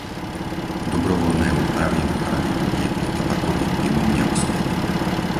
Dobrovoľné úpravy v ochrane ľudí pred tabakovým dymom neuspeli.